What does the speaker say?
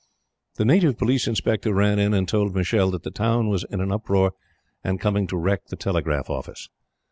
] The Native Police Inspector ran in and told Michele that the town was in an uproar and coming to wreck the Telegraph Office.